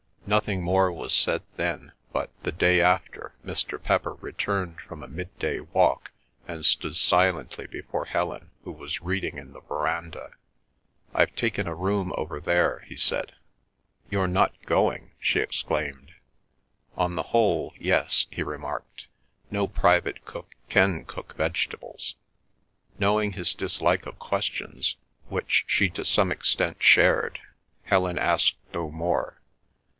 Nothing more was said then, but, the day after, Mr. Pepper returned from a midday walk, and stood silently before Helen who was reading in the verandah. "I've taken a room over there," he said. "You're not going?" she exclaimed. "On the whole—yes," he remarked. "No private cook can cook vegetables." Knowing his dislike of questions, which she to some extent shared, Helen asked no more.